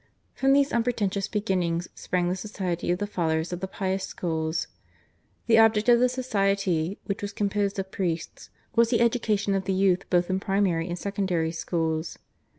From these unpretentious beginnings sprang the society of the Fathers of the Pious Schools. The object of the society, which was composed of priests, was the education of the young both in primary and secondary schools.